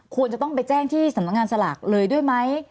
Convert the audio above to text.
ควรจะต้องไปแจ้งที่สำนักงานสลากเลยด้วยไหม